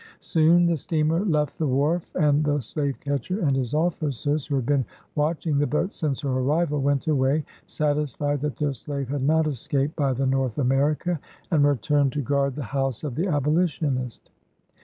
Soon the steamer left the wharf, and the slave catcher and his officers, who had been watching the boat since her arrival, went away, satisfied that their slave had not escaped by the " North America," and returned to guard the house of the Abolitionist.